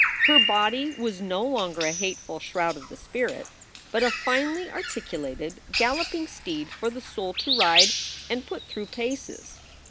Her body was no longer a hateful shroud of the spirit, but a finely articulated, galloping steed for the soul to ride and put through paces.